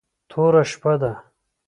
توره شپه ده .